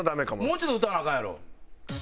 もうちょっと歌わなアカンやろ。